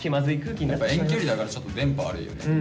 やっぱ遠距離だからちょっと電波悪いよね。